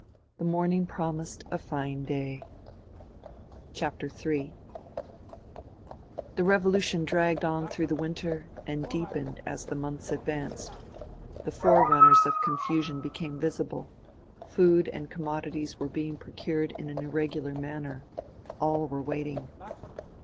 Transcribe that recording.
The morning promised a fine day. Ill The revolution dragged on through the winter and " deepened " as the months advanced. The forerunners of confusion became visible : food and THE REVOLUTION 95 commodities were being procured in an irregular manner. All were waiting.